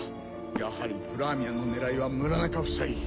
やはりプラーミャの狙いは村中夫妻。